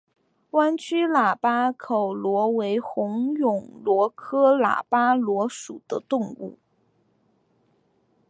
弯曲喇叭口螺为虹蛹螺科喇叭螺属的动物。